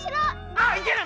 あっいけね！